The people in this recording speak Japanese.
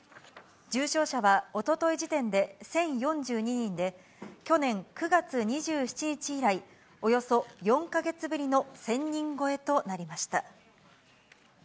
重症者はおととい時点で１０４２人で、去年９月２７日以来、およそ４か月ぶりの１０００人超えとなりました。